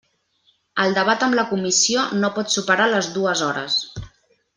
El debat amb la comissió no pot superar les dues hores.